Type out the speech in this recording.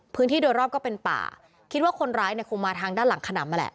พื้นที่โดยรอบก็เป็นป่าคิดว่าคนร้ายเนี่ยคงมาทางด้านหลังขนำนั่นแหละ